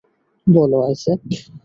বলো, আইজ্যাক?